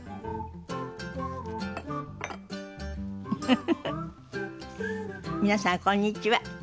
フフフフ皆さんこんにちは。